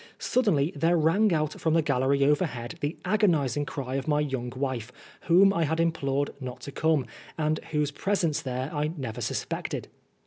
Suddenly there rang out from the gallery overhead the agonising cry of my young wife, whom I had implored not to come, and whose presence there I never suspected.